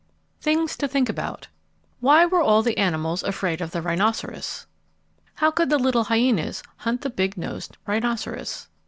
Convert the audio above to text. THINGS TO THINK ABOUT Why were all of the animals afraid of the rhinoceros? How could the little hyenas hunt the big nosed rhinoceros?